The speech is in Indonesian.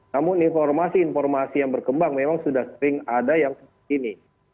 namun informasi informasi yang berkembang memang sudah sering ada yang seperti ini